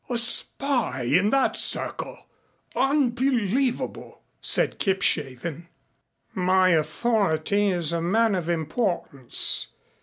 "A spy in that circle unbelievable," said Kipshaven. "My authority is a man of importance.